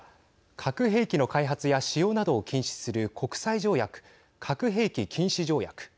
核兵器の開発や使用などを禁止する国際条約核兵器禁止条約。